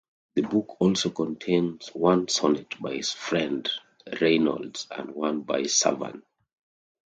The book also contains one sonnet by his friend Reynolds and one by Severn.